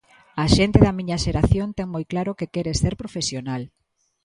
A xente da miña xeración ten moi claro que quere ser profesional.